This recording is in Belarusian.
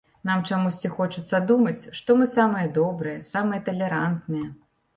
Нам чамусьці хочацца думаць, што мы самыя добрыя, самыя талерантныя.